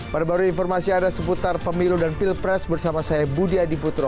pada baru informasi ada seputar pemilu dan pilpres bersama saya budi adiputro